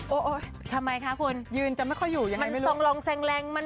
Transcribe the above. โอ๊ยโอ๊ยทำไมคะคุณยืนจะไม่ค่อยอยู่ยังไงไม่รู้มันส่องรองแซงแรงมัน